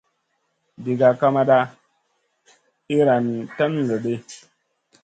Diga kamat iyran tan loɗi.